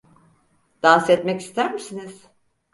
Dans etmek ister misiniz?